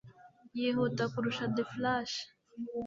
yihuta kurusha the flash